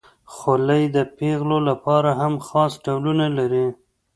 خولۍ د پیغلو لپاره هم خاص ډولونه لري.